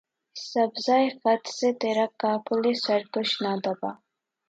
سبزہٴ خط سے ترا کاکلِ سرکش نہ دبا